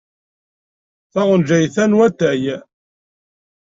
Taɣenjayt-a n watay.